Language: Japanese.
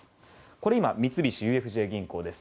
これ今、三菱ＵＦＪ銀行です。